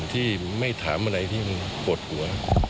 ที่ไม่ถามอะไรที่มันปวดหัว